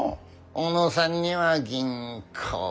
小野さんには銀行はまだ。